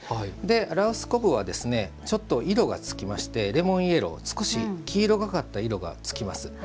羅臼昆布はちょっと色がつきましてレモンイエロー少し黄色がかった色がつきます。